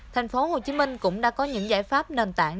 thành phố hồ chí minh cũng đã có những giải pháp nền tảng